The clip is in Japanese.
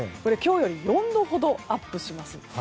今日より４度ほどアップします。